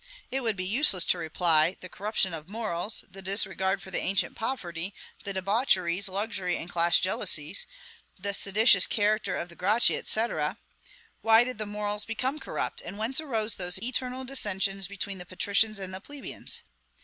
It would be useless to reply, The corruption of morals; the disregard for the ancient poverty; the debaucheries, luxury, and class jealousies; the seditious character of the Gracchi, &c. Why did the morals become corrupt, and whence arose those eternal dissensions between the patricians and the plebeians?